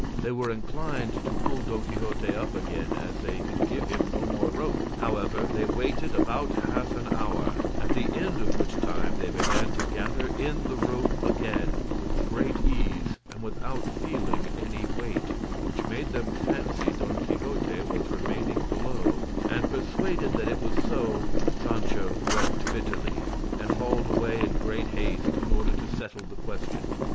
They were inclined to pull Don Quixote up again, as they could give him no more rope; however, they waited about half an hour, at the end of which time they began to gather in the rope again with great ease and without feeling any weight, which made them fancy Don Quixote was remaining below; and persuaded that it was so, Sancho wept bitterly, and hauled away in great haste in order to settle the question.